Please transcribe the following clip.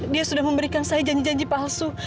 dia sudah memberikan saya janji janji palsu